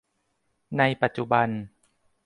ในปัจจุบัน